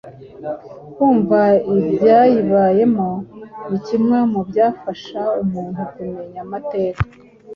Kumva ibyayibayemo ni kimwe mu byafasha umuntu kumenya amateka